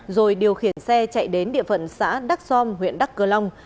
rồi điều khiển xe chạy đến địa phận xã đắk xom huyện đắk cơ long